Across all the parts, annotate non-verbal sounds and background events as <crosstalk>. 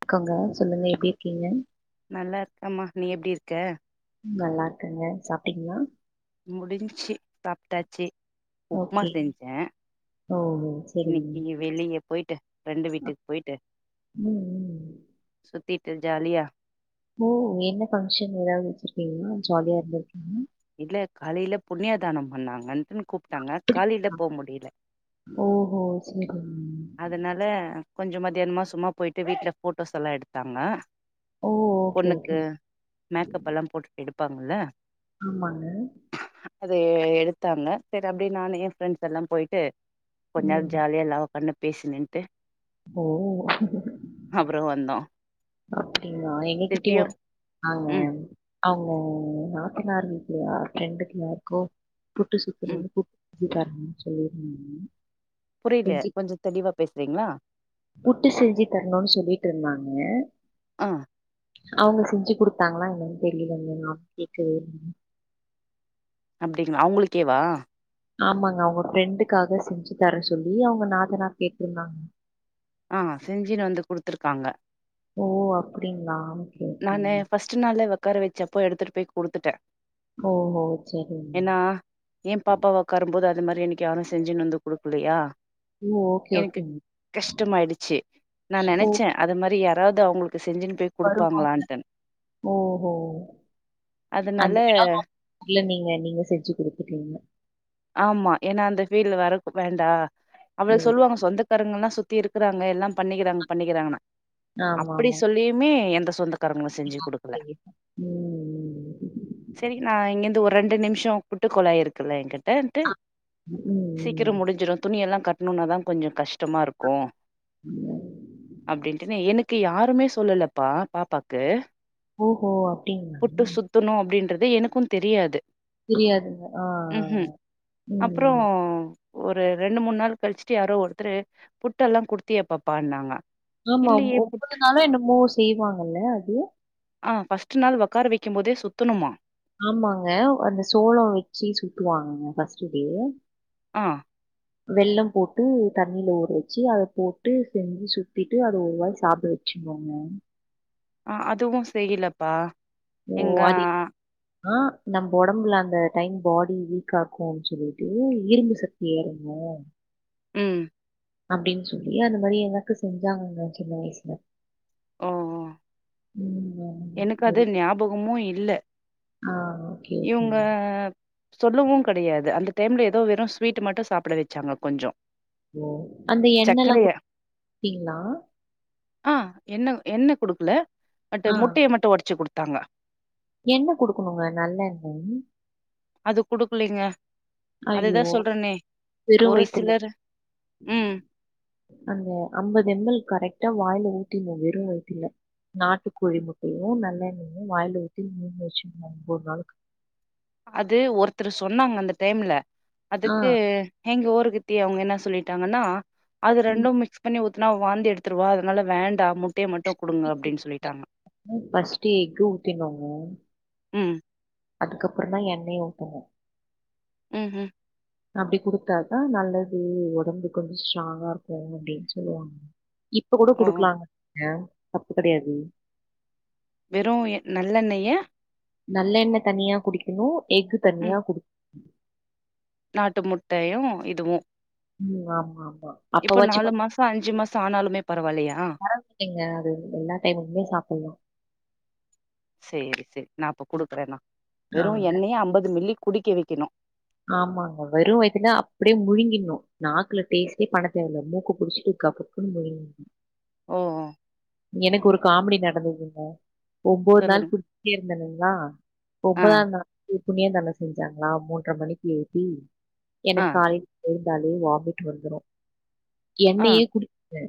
இருக்கோங்க சொல்லுங்க எப்டி இருக்கீங்க நல்லா இருக்கம்மா நீ எப்டி இருக்க கல்லா இருக்கங்க சாப்டீங்ளா முடிச்சி சாப்டாச்சு உப்மா ஓகே செஞ்ச ஓ சரிங்க இன்னிக்கியு வெளிய போய்ட்டு பிரெண்டு வீட்டுக் போயிட்டு ம் ம் சுத்திட்டு ஜாலியா ஓ என்ன பம்க்ஷன் ஏதாது வெச்சிர்கீங்ளா சோ அதுஎது இல்ல காலைல புண்ணிய தானோ பண்ணாங்கன்டு கூப்டாங்க காலில போ முடியல ஓஹோ சரி அதனால கொஞ்சோ மத்தியான்ம சும்மா போய்ட்டு வீட்ல போட்டோஸ் எல்லா எடுத்தாங்க ஓ ஓகே ஓகே பொண்ணுக்கு மேக்கப் எல்லா போட்டுட்டு எடுப்பாங்கல்ல ஆமாங்க அது எடுத்தாங்க சரி அப்டி நானு என் ஃப்ரெண்ட்ஸ் எல்லா போயிட்டு கொஞ்நேர் ம் ஜாலியா எல்லா உக்கான்னு பேசினின்டு ஓ அப்றோ வந்தோ அப்டிங்ளா எங்ககிட்டயு திருப்பியு ஒரு ஆங்க ம் அவுங்க நாத்தனார் வீட்ல ஃப்ரெண்டுக்கு யாருக்கோ புட்டு ம் சுத்துனுனு கூப் எப்டிக்கரனு சொல்லிர்தாங்க புரியிலே கொஞ்சோ தெளிவா பேசுறீங்ளா புட்டு செஞ்சு தரணுனு சொல்லிட்ருந்தாங்க அ அவுங்க செஞ்சு குடுத்தாங்களான்னு தெரியலிலங்க நானு கேக்கவே அப்டிங்ளா அவுங்ளுக்கேவா ஆமாங்க அவுங்க ஃப்ரெண்டுக்காக செஞ்சு தர சொல்லி அவுங்க நாத்தனார் கேட்ருந்தாங்க ஆ செஞ்சினு வந்து குடுத்துர்காங்க ஓ அப்டிங்ளா நானு ஃபஸ்ட் நாளே ஒக்கார வச்சப்போ எடுத்துட்டு போய் குடுத்துட்ட ஓஹோ! சரிங்க. என்னா ஏ பாப்பாவக் ஒக்காரும்போது அது மாரி எனக் யாரு செஞ்சுன் வந்து குடுக்கலியா ஓ! ஓகே, எனக்கு ஓகேங்க. கஷ்டமாயிடுச்சு நா ஓ! நெனச்ச அது மாரி யாராது அவுளுக்கு செஞ்சுன்னு போய் வருவாங்க குடுப்பாங்களான்ட்டு ஓஹோ அதனால அந்த எடோ ல நீங்க நீங்க செஞ்சு குடுத்துட்றிங்க ஆமா ஏன்னா அந்த ஃபீல் வர வேண்டா அவ்வள ஓகே. சொல்லுவாங்க சொந்த சொந்த காரங்கல்லா சுத்தி இருக்கறாங்க எல்லாம் பண்ணிக்கிறாங்க பண்ணிக்கிறாங்கன்ன அப்படி ஆமாமா. சொல்லியுமே எந்த சொந்த க்காரங்கலு செஞ்சி குடுக்கல கண்டிப்பா. ம். சேரி நா இங்கருந்து ஒரு ரெண்டு நிமிஷோ கூட்டு கொலாயிருக்கல என்கிட்ட டே இட்டு ஆ. ம், சீக்கிரம் ம். முடிஞ்சிடு துணி எல்லா கட்ணும்னாதா கொஞ்சோ கஷ்டமா இருக்கு அப்டி இன்டு எனக்கு யாருமே சொல்லலப்பா பாப்பாக்கு ஓஹோ அப்டிங் புட்டு சுத்தணு அப்டின்றது எனக்கு தெரியாது தெரியாதுங்க. ஆ. ம் ம் அப்றோ ம். ஒரு ரெண்டு மூண் நாள் கழிச்சுட்டு யாரோ ஒருத்தரு புட்டெல்லா குடுத்தியா பாப்பான்னாங்க ஆமா ஆமா இல்லையே புட் ஒம்போது நாளோ என்னமோ செய்வாங்கல்ல அது ஆ ஃபஸ்ட்டு நாள் வொக்கார வெக்கிம் போதே சுத்தணுமா ஆமாங்க அந்த சோளோ வெச்சி சுத்துவாங்க ஃபர்ஸ்ட் டே ம் வெள்ளம் போட்டு தண்ணில ஊற வெச்சு அத போட்டு செஞ்சு சுத்திட்டு அத ஒருவாய் சாப்ட வெ வெச்சிடுவாங்க ஆ அதுவு செய்யிலப்பா ஓ ஆதி ஆ நம்ப ஒடம்புல அந்த டைம் பாடி வீக் ஆக்கு சொல்லிட்டு இரும்பு சக்தி ஏறணு ம் அப்டின் சொல்லி அது மாரி எனக் செஞ்சாங்கங்க சின்ன வயசுல ஓ ஓ ம் வா எனக்கு அது ஞாபகமு இல்ல ஆ ஓகே, இவுங்க ஓகேங்க. சொல்லவு கெடயாது அந்த டைம்ல ஏதோ வெறு ஸ்வீட்டு மட்டு சாப்ட வெச்சாங்க கொஞ்சோ ஓ அந்த எண்ணல்லா சர்க்கரைய குடுதிங்ளா ஆ எண்ண எண்ண குடுக்ல பட் ஆ. முட்டய மட்டு ஒடச்சு குடுத்தாங்க என்ன குடுக்கணுங்க நல்லெண்ண அது குடுக்லீங்க ஐயோ! அதுதா சொல்றேனே வெறும் ஒரு வயித்துல. சிலர் ம் அந்த ஐம்பது எம்எல் கரெக்ட்டா வாயில ஊத்தின்னோ வெறு வயித்துல நாட்டு கோழி முட்டையு நல்லெண்ணயு வாயில ஊத்தி முழுங்க வெசிசின்னு அந்த ஒன்பது நாளைக்கு அது ஒருத்தர் சொன்னாங்க அந்த டைம்ல ஆ. அதுக்கு எங்க ஓருக்குத்தி அவுங்க என்ன சொல்லிட்டாங்கன்னா அது ம். ரெண்டு மிக்ஸ் பண்ணி ஊத்தி னா வாந்தி எடுத்துடுவோ அதனால வேண்டா முட்டைய மட்டு குடுங்க அப்டின்னு சொல்லிட்டாங்க எப்பவு ஃபர்ஸ்ட்டு எக்கு ஊத்தினோங்க ம் அதுக்கப்றோ தா எண்ணெய ஊத்தனு ம் ம் அப்டி குடுத்தாதா நல்லது ஒடம்பு கொஞ்சோ ஸ்ட்ராங்கா இருக்கு அப்டின் சொல்லுவாங்க இப்ப கூட ஓ குடுக்கலாங்க தப்பு கிடையாது வெறு எ நல்லெண்ணெய்ய நல்லெண்ண தனியா குடிக்கணு எகு தனியா ம் குடிக்கணு நாட்டு முட்டையு இதுவு ம் ஆமா ஆமா இப்போ அப்பவாச்சும் நாலு கொஞ்சம் மாசோ அஞ்சு மாசோ ஆனாலுமே பரவாயில்லயா இல்லைங்க அது எல்லா டைமுக்குமே சாப்பட்லா சேரி சேரி நா அப்ப குடுக்ற நா வெறு ஆமாங்க. எண்ணெய அம்பது மில்லி குடிக்க வைக்கணு ஆமாங்க வெரு வைத்துல அப்டே முழுங்கிணு நாக்குல டேஸ்ட்டே பண்ண தேவல்ல மூக்க புடிச்சிட்டு கபுக்குன்னு முழுங்கினு ஓ எனக்கு ஒரு காமெடி நடந்ததுங்க ஒம்போது சொல்லுங்க நாள் கு டிச்சிட்டே இருந்தனுங்ளா ஆ ஒன்பதா நாளு புன்னிய தானோ செஞ்சாங்களா மூன்ற மணிக் கு எழுப்பி ஆ எனக்கு காலைல எழுந்தாலே வாமிட் வந்துரு ஆ எண்ணயே குடி ச்ட்ட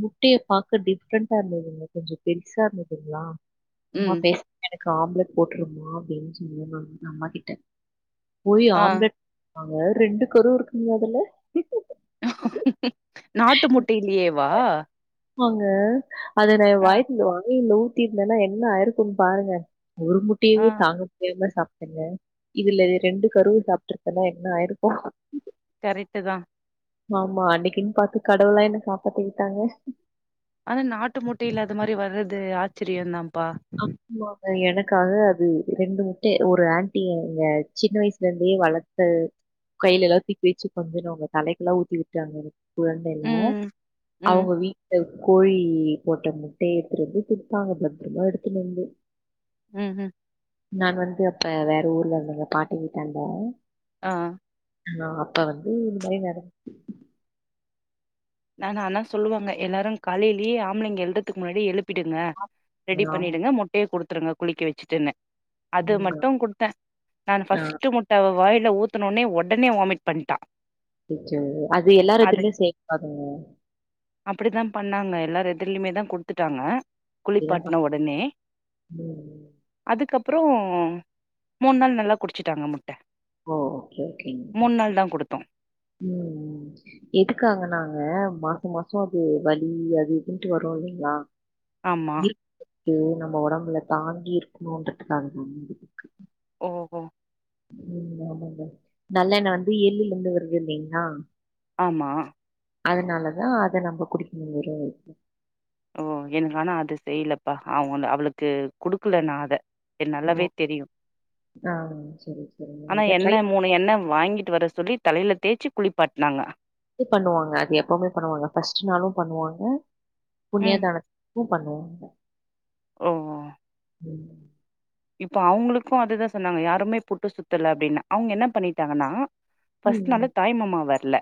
முட்டய பாக்க டிஃப்ரெண்டா இருந்துதுங்க கொஞ்சோ பெருசா இருந்துதுங்ளா அம்மா ம் பெஸ் எனக்கு ஆம்லெட் போட்டுருமா அப்டின்னு சொன்ன நா எங்க அம்மா கிட்ட போய் ஆ ரு னாங்க ரெண்டு கரு இருக்குங்க அதுல நாட்டு முட்டைல்லேயேவா ஆமாங்க அத நா எ வாய்குள்ள வாங்கி உ த்திருந்தேன்னா என்ன ஆயிருக்கு பாருங்க ஒரு ஆ முட்டையவே தாங்க முடியாம சாப் டங்க இதுல ரெண்டு கருவு சாப்ட்டுருந்தனா என்ன ஆயிருக்கு கரெக்ட்டு தா ஆமா அன்னைக்குன்னு பாத்து கடவுளா என்ன காப்பாத்தி விட்டாங்க ஆனா நாட்டு முட்டைல அது மாரி வர்றது ஆச்சரியோ தான்ப்பா ஆமாங்க எனக்காக அது ரெண்டு முட்டை ஒரு ஆன்ட்டி எங்க சின்ன வயசுல இருந்தே வள த்து கையிலல்லா தூக்கி வச்சு கொஞ்சோனவ்ங்க தலைக்குல்லா ஊத்தி விட்டாங்க குழந்தைல ம் ம் அவுங்க வீட்டு கோழி போட்ட முட்டைய எடுத்துடு வந்து குடுப்பாங்க பத்திரமா எடுத்துனு வந்து ம் ம் நான் வந்து அப்ப வேற ஊர்ல இருந்தங்க பாட்டி வீட்டான்ட ஆ ஆ அப்ப வந்து இந்த மாரி நட நானு ஆனா சொல்லுவாங்க எல்லாரு காலையிலேயே ஆம்பளைங்க எழுறதுக்கு முன்னாடி எழுப் பிடுங்க ரெடி ஆமா. பண்ணிடுங்க முட்டையை குடுத்துருங்க குளிக்க வச்சுட்டுன்னு அது ம். மட்டு குடுத்த நானு ஆ ஃபஸ்ட்டு மு ட்ட அவ வாயில ஊத்தனோனே ஒடனே வாமிட் பண்ட்டா அச்சச்சோ அது எல்லார் எதுர்லயு செய்ய கூடாதுங்க அப்படித்தா பண்ணாங்க எல்லார் எதுலயுமே தா குடுத்துட்டாங்க இதான் பா குளிப்பாட்ன ஒடனே ம். அதுக்கப்புறோ மூண் நாள் நல்லா குடிச்சட்டாங்க முட்ட ஓ ஓகே ஓகேங்க மூண் ஓகே நாள் தா கொடுத்தோ ம் ம் எதுக்காங்கனாங்க மாசோ மாசோ அது வலி அது இதுன்ட்டு வரு இல்லைங்களா ஆமா ம் நம்மோ உடம்புல தாங்கி இருக்கனுன்றதுக்காகவா ஓஹோ உம் ஆமாங்க ஆமா அதனால தா அத நம்போ குடிக்க முடியுரே ஓ எனக் ஆனா அது செய்யலப்பா அவங்க அவளுக்கு குடுக்கல நா அத நல்லாவே ஓ! தெரியு ஆ சரி, சரிங்க. ஆனா இத ட்ரை என்ன மூணு எண்ண வாங்கிட்டு வர சொல்லி தலேல தேய்ச்சி குளிப்பாட்டனாங்க திப் பண்ணுவாங்க அது எப்பவுமே பண்ணுவாங்க ஃபர்ஸ்ட் நாளு பண்ணுவாங்க ம் புண்ணியாதானத் பு பண்ணுவாங்க ஒ உம் இப்ப அவங்களுக்கு அதுதா சொன்னாங்க யாருமே புட்டு சுத்தல அப்டின்னு அவங்க என்ன பண்ணிட்டாங்கன்னா ஃபர்ஸ்ட்னால தாய்மாமா வரல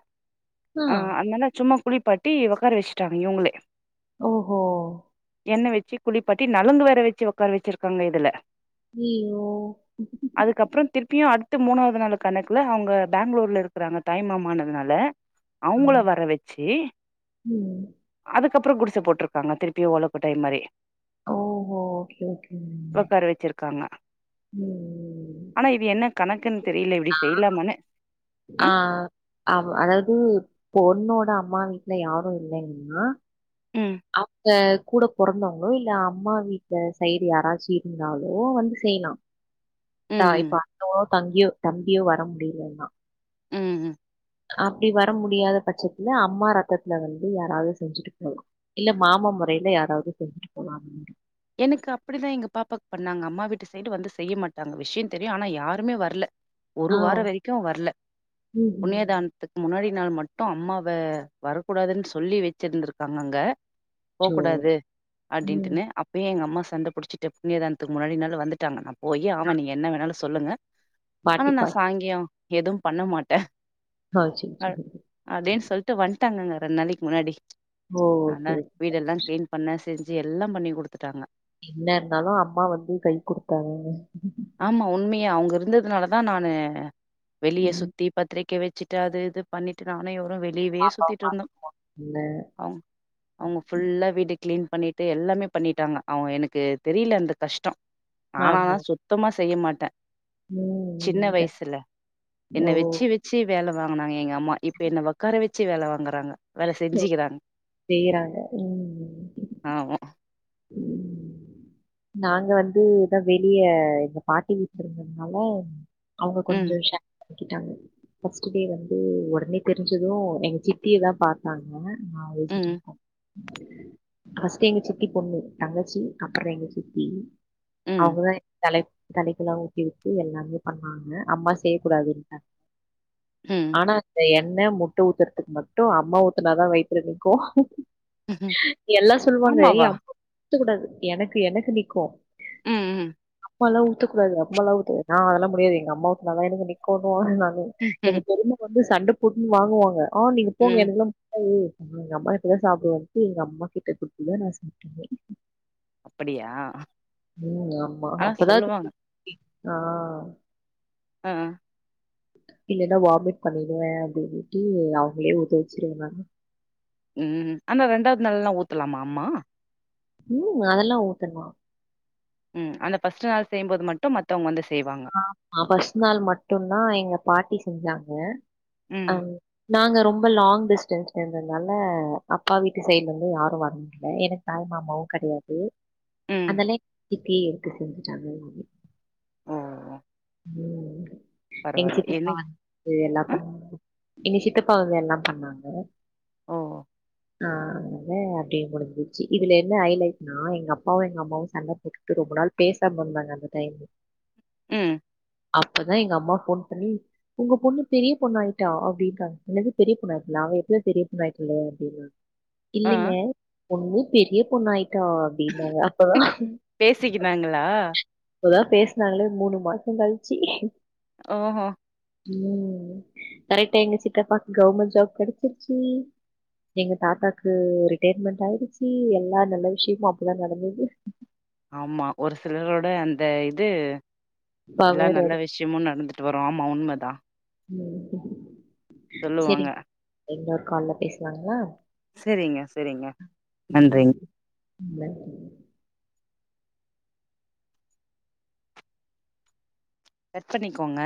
அ அதுனால சும்மா குளிப்பாட்டி உக்கார வச்சிட்டாங்க இவங்களே ஓஹோ எண்ண வச்சி குளிப்பாட்டி நலங்கு வேற வச்சி உட்கார வச்சிருக்காங்க இதுல ஈ ஓ அதுக்கப்புறம் திருப்பியு அடுத்து மூணாவது நாள் கணக்குல அவங்க பெங்களூர்ல இருக்குறாங்க தாய்மாமானதுனால அவங்கள வர வச்சி அதுக்கப்ரோ குடிச போட்டுருக்காங்க திருப்பியு ஓலக்கோட்டாய் மாறி ஓஹோ ஓகே ஓகே உம் இருக்காங்க ஆனா இது என்ன கணக்குன்னு தெரியல இப்டி செய்யலாமானு ஆ அவ் அதாவது பொண்ணோட அம்மா வீட்ல யாரு இல்லங்கன்னா ம் அவங்க கூட பிறந்தவங்களோ இல்ல அம்மா வீட்ல சைடு யாராச்சு இருந்தாலோ வந்து செய்லா ம் இப்ப ம் அண்ணவோ தங்கியோ தம்பியோ வர முடியலன்னா ம் ம் அப்டி வர முடியாத பட்சத்ல அம்மா ரத்தத்துல வந்து யாராவது செஞ்சுட்டு போலா இல்ல மாம முறையில யாராவது செஞ்சிட்டு போலா அப்டின்டு எனக்கு அப்டிதா எங்க பாப்பாவுக்கு பண்ணாங்க அம்மா வீட்டு சைடு வந்து செய்ய மாட்டாங்க விஷ்யோ தெரியு ஆனா யாருமே வரல ஒரு ஆ வார வரைக்கு வரல ம் புண்ணியதான் அத்துக்கு முன்னாடி நாள் மட்டு அம்மாவ வரக்கூடாதுன்னு சொல்லி வச்சிருந்திருக்காங்க அங்க அச்சோ! போகூடாது ம். அப்டின்டுன்னு அப்பயே எங்க அம்மா சண்ட புடிச்சிட்டு புண்ணியதானத்துக்கு முன்னாடி நாள் வந்துட்டாங்க அம் போய் ஆவ நீங்க என்ன வேணாலு சொல்லுங்க ஆனா பாட்டி நா பா சாயங்கியம் எதுவு பண்ண மாட்ட ஆ அச்சசோ அதேன்னு சொல்டு வந்துட்டாங்கங்க ரெண்டு நாளைக்கு முன்னாடி ஓ! ஆல ஓகே. வீடெல்லா கிளீன் பண்ண செஞ்சி எல்லா பண்ணி குடுத்துட்டாங்க என்ன இருந்தாலு அம்மா வந்து கை குடுத்தாங்க ஆமா உண்மையா அவங்க இருந்ததுனால தா நானு வெளிய ம். சுத்திப் பத்திரிக்க வச்சிட்டு அது இது பண்ணிட்டு நானு இவரு வெளியவே அப்பாவ சுத்திட்டு இருந்தோ பாத்துக்கங்க. அம் அவங்க ஃபுல்லா வீட்ட க்ளீன் பண்ணிட்டு எல்லாமே பண்ணிட்டாங்க அவங்க எனக்கு தெரில அந்த கஷ்டோ ஆனா நா ஆமா. சுத்தமா செய்ய மாட்ட ம். சின்ன ம். க வயசுல ஓ! என்ன வச்சி வ ச்சி வேல வாங்குனாங்க எங்க அம்மா இப்ப என்ன உக்கார வச்சி வேல வாங்குறாங்க வேற ஓ செஞ்சீங்கறா செய்றாங்க. ம். ஆவோ <inaudible> நாங்க வந்து இதா வெளிய எங்க பாட்டி வீட்டுக்கு வந்தனால அவங்க கொஞ்சோ ம் ஷ ஃபர்ஸ்ட் டே வந்து உடனே தெரிஞ்சது எங்க சித்தியதா பாத்தாங்க ஆ <inaudible> ம் ஃபர்ஸ்ட் எங்க சித்தி பொண்ணு தங்கச்சி அப்பறோ எங்க சித்தி ம் அவங்கதா எங்க தலைவி தலைக்கெல்லா ஊத்தி விட்டு எல்லாமே பண்ணாங்க அம்மா செய்யக்கூடாது ம் ஆனா அந்த எண்ணெ முட்ட ஊத்துறதுக்கு மட்டு அம்மா ஊத்துனாதா வைத்துல நிக்கு எல்லா சொல்லுவாங்க யே ஆமாவா அம்மா ஊத்த கூடாது எனக்கு எனக்கு நிக்கு ம் ம் அம்மாலா ஊத்த கூடாது அம்மாலா ஊத்த கூடாது நா அதெல்லா முடியாது எங்க அம்மா ஊத்துனாதா எனக்கு நிக்குணு வ ம் எனக்கு தெரிஞ்சு ரொம்ப சண்ட போட்டு வாங்குவாங்க ஆ நீங்க போங்க ம் எனக்கெல்லா ஒ எங்க அம்மா கிட்டதா சாப்பிடுவேன்டு எங்க அம்மா கிட்ட குடுதுதா நா சாப்ட்டே அப்படியா ம் ஆமா ஆனா அப்பதா சொல்லுவாங்க ஆ ஆ இல்லன்னா வாமிட் பண்ணிருவே அப்டின்னுட்டு அவங்களே உதவிச்சிருாங்க ம் ஆனா ரெண்டாவது நாளல்லா ஊத்தலாமா அம்மா ம் அதெல்லா ஊத்தலா ம் அதுல ஃபர்ஸ்ட்டு நாள் செய்யும்போது மட்டு மத்தவங்க வந்து செய்வாங்க ஆமா பஸ்ட் நாள் மட்டுதா எங்க பாட்டி செஞ்சாங்க அ ம் நாங்க ரொம்ப லாங் டிஸ்டன்ஸ்ல இருந்ததுனால அப்பா வீட்டு சைட்ல இருந்து யாரு வர எனக்கு தாய் மாமாவு கெடையாது ம் அதெல்லா எங்க சித்தி எடுத்து செஞ்சுட்டாங்க ம் ம் ம் எங்க சித் ச என்னைக் <unintelligible> இது எல்லா ஆ பண்ணாங்க எங்க சித்தப்பா வந்து எல்லா பண்ணாங்க ஓ ஆ அத அப்டியே முடிஞ்சிச்சு இதுல என்ன ஹைலைட் நா எங்க அப்பாவு எங்க அம்மாவு சண்ட போட்டு ரொம்ப நாள் பேசாம இருந்தாங்க அந்த டைம் ம் அப்பதா எங்க அம்மா போன் பண்ணி உங்க பொண்ணு பெரிய பொண்ணாயிட்டா அப்படின்றாங்க என்னது பெரிய பொண்ணாயிட்டாளா அவ எப்பவே பெரிய பொண்ணாயிட்டாலே அப்டின்னு ஆ இல்லைங்க பொண்ணு பெரிய பொண்ணாயிட்டா அப்ப பேசிக்கினாங்களா இப்பதா பேசுனாங்களே மூணு மாசோ கழிச்சி ஓ ஓ ம் கரெக்டா எங்க சித்தப்பாக்கு கவர்மெண்ட் ஜாப் கெடைச்சிருச்சு எங்க தாத்தாக்கு ரிட்டையர்மென்ட் ஆயிடுச்சு எல்லா நல்ல விஷயமு அப்பதா நடந்தது ஆமா ஒரு சிலரோட அந்த இது எல்லா பவர் நல்ல விஷயமு நடந்துட்டு வரு ஆமா உண்மதா ம் சொல்லுவாங்க இன்னொரு கால்ல பேசுனாங்க செரிங்க செரிங்க நன்றி <inaudible> கட் பண்ணிக்கோங்க